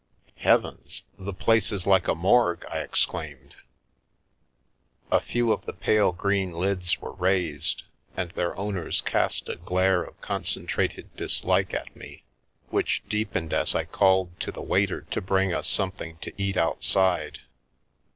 " Heavens ! The place is like a morgue 1 " I ex claimed. A few of the pale green lids were raised, and their owners cast a glare of concentrated dislike at me, which deepened as I called to the waiter to bring us something to eat outside.